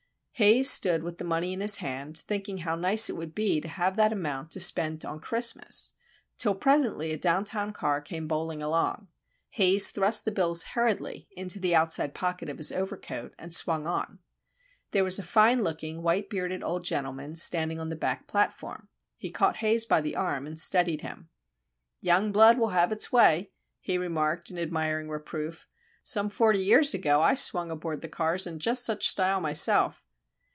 Haze stood with the money in his hand, thinking how nice it would be to have that amount to spend on Christmas, till presently a down town car came bowling along, Haze thrust the bills hurriedly into the outside pocket of his overcoat, and swung on. There was a fine looking, white bearded old gentleman standing on the back platform. He caught Haze by the arm, and steadied him. "Young blood will have its way," he remarked, in admiring reproof. "Some forty years ago I swung aboard the cars in just such style myself."